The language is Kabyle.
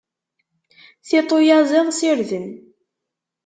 Tiṭ uyaziḍ s irden.